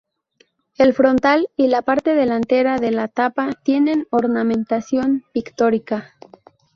El frontal y la parte delantera de la tapa tienen ornamentación pictórica.